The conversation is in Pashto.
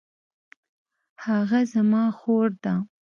هغه زما خور ده